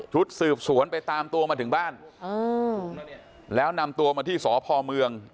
สืบสวนไปตามตัวมาถึงบ้านแล้วนำตัวมาที่สพเมือง